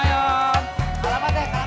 kasih kasih kasih kasih